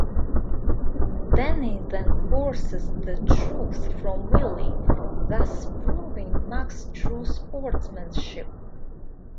Danny then forces the truth from Willie, thus proving Muggs' true sportsmanship.